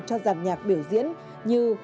cho dàn nhạc biểu diễn như